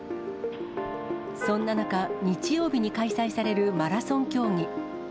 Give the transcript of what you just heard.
そんな中、日曜日に開催されるマラソン競技。